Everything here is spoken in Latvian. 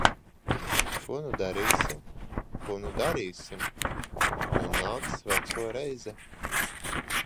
Ko nu darīsim? Ko nu darīsim? Nu nāks veco reize.